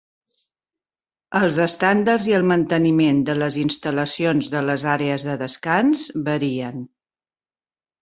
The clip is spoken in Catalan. Els estàndards i el manteniment de les instal·lacions de les àrees de descans varien.